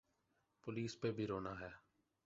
Police پہ بھی رونا ہے۔